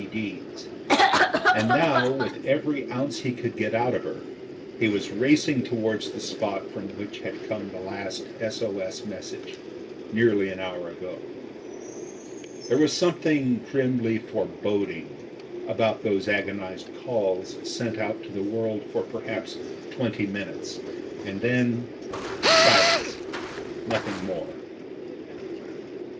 D/s, and now with every ounce he could get out of her he was racing towards the spot from which had come the last S.O.S. message, nearly an hour ago. There was something grimly foreboding about those agonised calls sent out to the world for perhaps twenty minutes, and then — silence, nothing more.